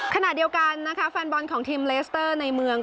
ขณะเดียวกันนะคะแฟนบอลของทีมเลสเตอร์ในเมือง